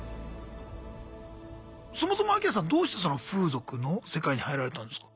そもそもアキラさんどうしてその風俗の世界に入られたんですか？